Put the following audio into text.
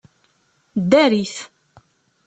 Ddarit!